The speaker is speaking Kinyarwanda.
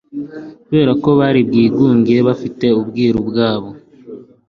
Kuberako buri bwigunge bufite ubwiru bwabwo